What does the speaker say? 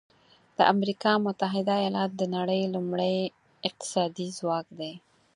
د امریکا متحده ایالات د نړۍ لومړی اقتصادي ځواک دی.